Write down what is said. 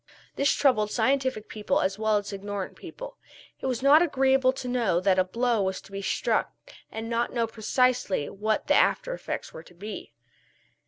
This troubled scientific people as well as ignorant people. It was not agreeable to know that a blow was to be struck and not know precisely what the after effects were to be.